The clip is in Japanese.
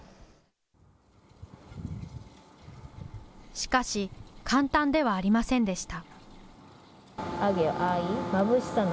しかし簡単ではありませんでした。